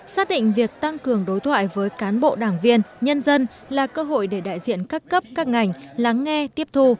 xác định việc tăng cường đối thoại với cán bộ đảng viên nhân dân là cơ hội để đại diện các cấp các ngành lắng nghe tiếp thu